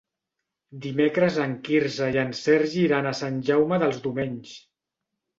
Dimecres en Quirze i en Sergi iran a Sant Jaume dels Domenys.